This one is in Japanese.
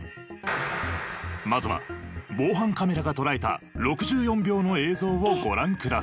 まずは防犯カメラが捉えた６４秒の映像をご覧ください。